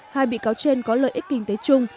hai bị cáo trên có lợi ích kinh tế chung